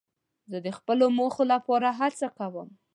زه د خپلو موخو لپاره هڅه کوم.